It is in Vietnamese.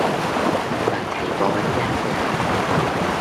bà thầy bói đáp lại